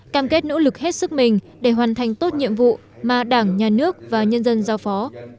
cam kết nỗ lực hết sức mình để hoàn thành tốt nhiệm vụ mà đảng nhà nước và nhân dân giao phó